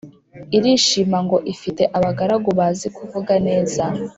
irishima ngo ifite abagaragu bazi kuvuga neza